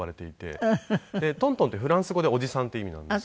トントンってフランス語でおじさんって意味なんですよ。